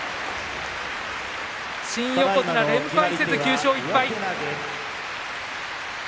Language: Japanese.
新横綱、連敗せず、９勝１敗。